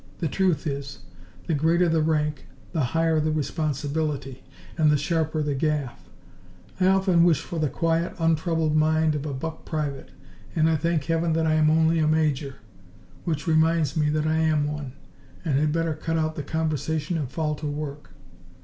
The truth is, the greater the rank, the higher the responsibility, and the sharper the gaff. I often wish for the quiet, untroubled mind of a buck private and I thank Heaven that I am only a Major. Which reminds me that I am one, and had better cut out conversation and fall to work."